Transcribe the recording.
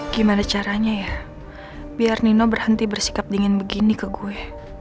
gimana caranya ya biar nino berhenti bersikap dingin begini ke gue